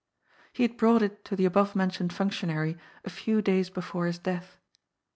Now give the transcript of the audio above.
He had brought it to the above mentioned functionary a few days before his death.